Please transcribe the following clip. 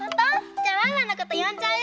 じゃあワンワンのことよんじゃう？